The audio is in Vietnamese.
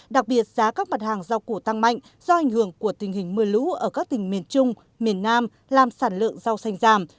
đặc biệt giá các mặt hàng rau củ tăng mạnh do ảnh hưởng của tình hình mưa lũ ở các tỉnh miền trung miền nam làm sản lượng rau xanh giảm